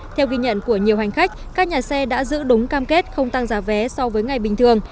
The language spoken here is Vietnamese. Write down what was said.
theo ghi nhận của nhiều hành khách các nhà xe đã giữ đúng cam kết không tăng giá vé so với ngày bình thường